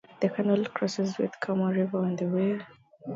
The canal crosses with the Kamo River on the way.